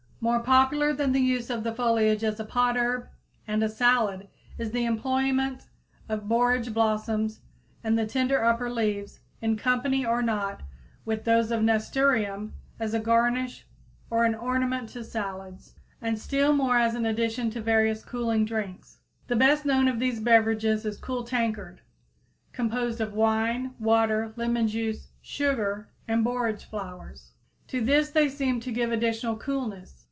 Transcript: _ More popular than the use of the foliage as a potherb and a salad is the employment of borage blossoms and the tender upper leaves, in company or not with those of nasturtium, as a garnish or an ornament to salads, and still more as an addition to various cooling drinks. The best known of these beverages is cool tankard, composed of wine, water, lemon juice, sugar and borage flowers. To this "they seem to give additional coolness."